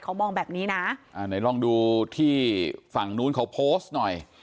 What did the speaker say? เขามองแบบนี้นะอ่าไหนลองดูที่ฝั่งนู้นเขาโพสต์หน่อย